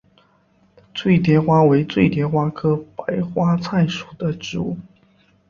醉蝶花为醉蝶花科白花菜属的植物。